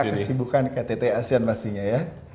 kesibukan ktt asean pastinya ya